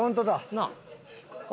なあ？